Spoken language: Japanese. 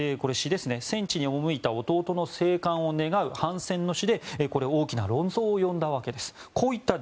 戦地に赴いた弟の生還を願う反戦の詩で大きな論争を呼んだわけです。